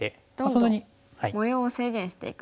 どんどん模様を制限していくんですね。